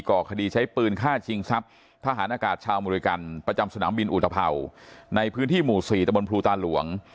ก่อคดีใช้ปืนฆ่าชิงทรัพย์ทหารอากาศชาวอเมริกันประจำสนามบินอุตภาวในพื้นที่หมู่๔ตะบนภูตาหลวง